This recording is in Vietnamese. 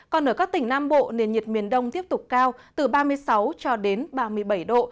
còn ở các tỉnh nam bộ nền nhiệt miền đông tiếp tục cao từ ba mươi sáu cho đến ba mươi bảy độ